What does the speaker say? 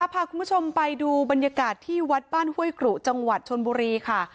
พาคุณผู้ชมไปดูบรรยากาศที่วัดบ้านห้วยกรุจังหวัดชนบุรีค่ะ